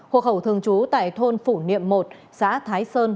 hộ khẩu thường trú tại thôn phủ niệm một xã thái sơn